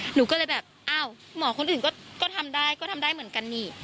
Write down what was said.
หนูก็เลยแบบอ้าวหมอคนอื่นก็ทำได้ก็ทำได้เหมือนกันนี่